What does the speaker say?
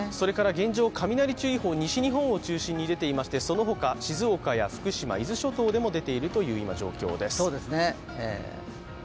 現状、雷注意報が出ていてそのほか静岡や福島、伊豆諸島にも出ているという状況です。